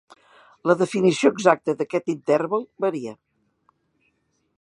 La definició exacta d'aquest interval varia.